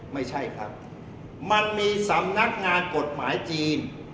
ไม่ใช่ครับมันมีสำนักงานกฎหมายจีน